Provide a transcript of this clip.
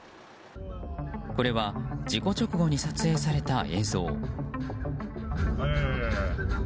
これは事故直後に撮影された映像。